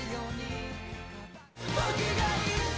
「僕がいるぞ！